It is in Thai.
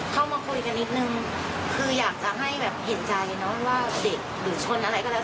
เข้ามาคุยกันนิดนึงคืออยากจะให้แบบเห็นใจเนอะว่าเด็กหรือชนอะไรก็แล้ว